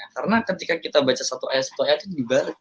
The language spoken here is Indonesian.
karena ketika kita baca satu ayat satu ayat itu dibalik